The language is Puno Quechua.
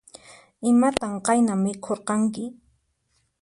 Imatan qayna mikhurqanki?